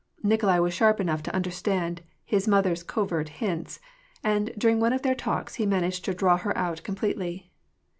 Nikolai was sharp enough to understand his mother's covert hints ; and, during one of their talks, he managed to draw her out completely.